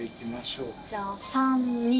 じゃあ３２とか。